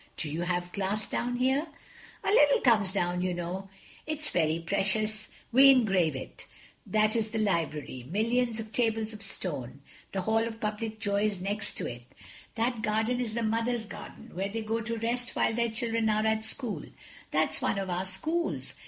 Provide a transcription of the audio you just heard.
"Do you have glass down here?" "A little comes down, you know. It is very precious. We engrave it. That is the Library—millions of tables of stone—the Hall of Public Joy is next to it—that garden is the mothers' garden where they go to rest while their children are at school—that's one of our schools.